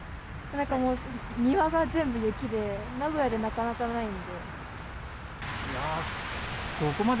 なんかもう、庭が全部雪で、名古屋でなかなかないんで。